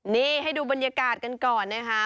นี่ให้ดูบรรยากาศกันก่อนนะคะ